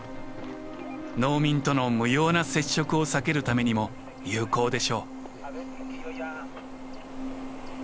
農民との無用な接触を避けるためにも有効でしょう。